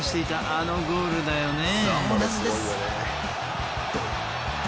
あのゴールだよね。